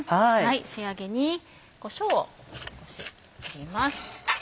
仕上げにこしょうを少し振ります。